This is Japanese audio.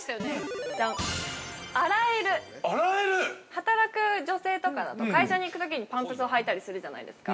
◆働く女性とかだと会社に行くときにパンプスを履いたりするじゃないですか。